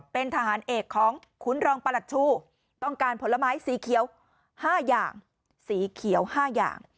เป็นทหารเอกของขุนรองประหลัดชูต้องการผลไม้สีเขียว๕อย่าง